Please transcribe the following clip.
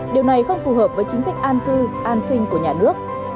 điều này không phù hợp với chính sách an cư an sinh của nhà nước